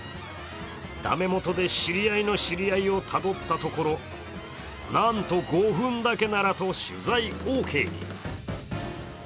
だめもとで知り合いの知り合いをたどったところ、なんと５分だけならと取材オーケーに。